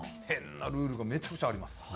変なルールがめちゃくちゃあります。